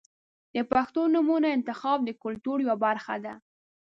• د پښتو نومونو انتخاب د کلتور یوه برخه ده.